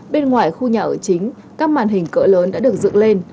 bên ngoài khu nhà ở chính các màn hình cỡ lớn đã được dựng lên